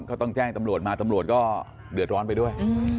ก็ต้องแจ้งตำรวจมาตำรวจก็เดือดร้อนไปด้วย